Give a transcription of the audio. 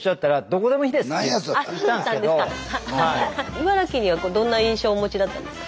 茨城にはどんな印象をお持ちだったんですか？